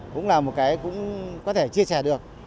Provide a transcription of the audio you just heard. cũng là một cái cũng có thể chia sẻ được